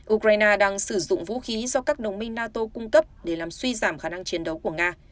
ukraine đang sử dụng vũ khí do các đồng minh nato cung cấp để làm suy giảm khả năng chiến đấu của nga